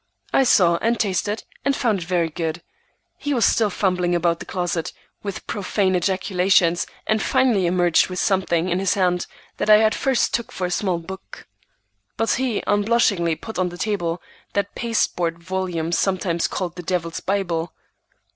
I saw and tasted, and found it very good. He was still fumbling about the closet, with profane ejaculations, and finally emerged with something in his hand that I at first took for a small book. But he unblushingly put on the table that pasteboard volume sometimes called the Devil's Bible.